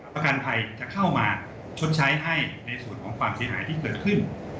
ประกันภัยจะเข้ามาชดใช้ให้ในส่วนของความเสียหายที่เกิดขึ้น